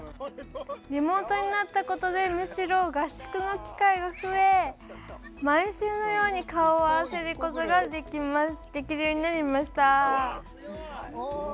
リモートになったことでむしろ合宿の機会が増え毎週のように顔を合わせることができるようになりました。